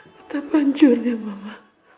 betapa hancurnya mama